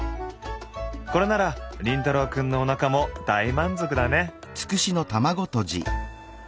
これなら凛太郎くんのおなかも大満足だね。